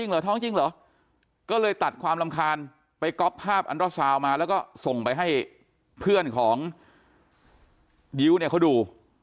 ว่าท้องจริงเขาเลยตัดความรำคามไปก๊อปภาพอันตรสาวมาแล้วก็ส่งไปให้เพื่อนของยิ้วนะเขาดู